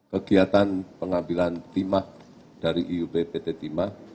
kegiatan pengambilan timah dari iup pt timah